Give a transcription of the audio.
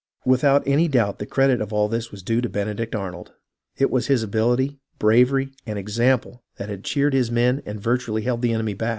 Without any doubt the credit of all this was due to Benedict Arnold. It was his ability, bravery, and example that had cheered his men and virtually held back the en emy.